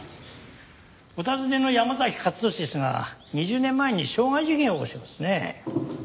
お尋ねの山崎勝利ですが２０年前に傷害事件を起こしてますね。